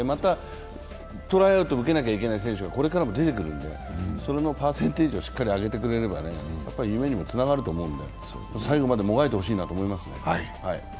ここで成功することによって、トライアウト受けなきゃいけない選手がこれからも出てくるんで、それのパーセンテージを上げてくれれば夢にもつながると思うので、最後までもがいてほしいなと。